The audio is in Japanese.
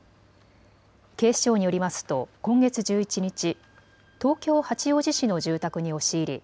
警視庁によりますと今月１１日、東京八王子市の住宅に押し入り